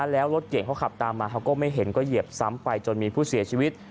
แล้วรถเก่งเขาขับตามมาเขาก็ไม่เห็นก็เหยียบซ้ำไปจนมีผู้เสียชีวิต